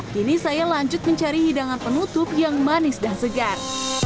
kini saya lanjut mencari hidangan penutup yang manis dan segar